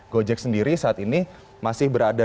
gojek sendiri saat ini masih berada